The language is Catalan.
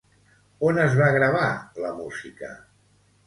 On es va gravar, la música?